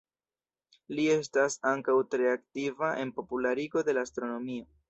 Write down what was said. Li estas ankaŭ tre aktiva en popularigo de la astronomio.